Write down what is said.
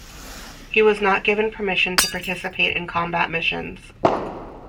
He was not given permission to participate in combat missions.